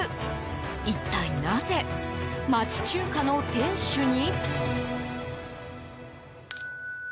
一体なぜ、町中華の店主に？